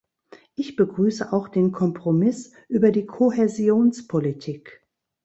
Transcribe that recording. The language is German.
Ich begrüße auch den Kompromiss über die Kohäsionspolitik.